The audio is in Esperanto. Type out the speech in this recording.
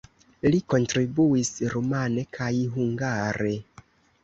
Li kontribuis rumane kaj hungare.